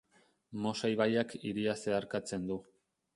Mosa ibaiak hiria zeharkatzen du.